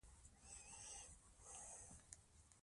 ازاد انسان پور نه لري.